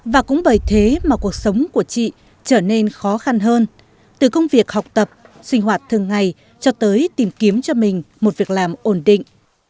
và cũng bởi thế mà cuộc sống của chị trở nên khó khăn hơn từ công việc học tập sinh hoạt thường ngày cho tới tìm kiếm cho mình một việc làm ổn định